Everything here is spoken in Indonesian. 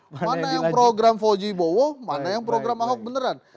mana yang program fojibowo mana yang program ahok beneran